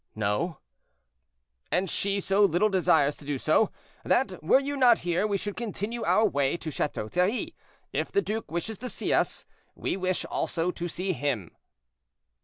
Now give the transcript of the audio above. "No." "And she so little desires to do so, that were you not here we should continue our way to Chateau Thierry; if the duke wishes to see us, we wish also to see him."